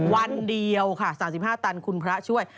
วันเดียวค่ะ๓๕ตันคุณพระช่วย